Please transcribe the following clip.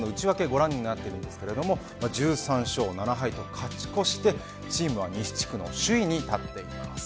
ご覧のようになっていますが１３勝７敗と勝ち越してチームは西地区の首位に立っています。